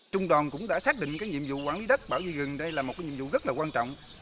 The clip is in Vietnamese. trung đoàn cũng đã xác định nhiệm vụ quản lý đất bảo vệ rừng đây là một nhiệm vụ rất quan trọng